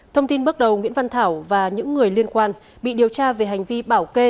thông tin bước đầu nguyễn văn thảo và những người liên quan bị điều tra về hành vi bảo kê